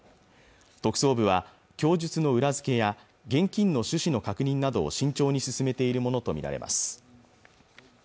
特捜部は供述の裏付けや現金の趣旨の確認などを慎重に進めているものと見られます